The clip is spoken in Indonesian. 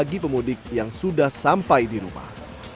bagi pemudik yang sudah sampai di rumah